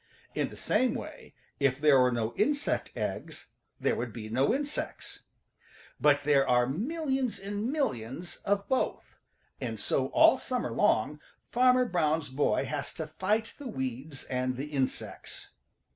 In the same way, if there were no insect eggs there would be no insects. But there are millions and millions of both, and so all summer long Farmer Brown's boy has to fight the weeds and the insects.